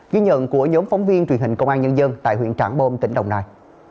ghi nhận của nhóm phóng viên truyền hình công an nhân dân tại huyện trảng bom tỉnh đồng nai